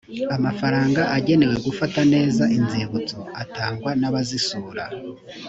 amafaranga agenewe gufata neza inzibutso atangwa n abazisura